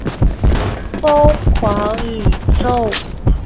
疯狂宇宙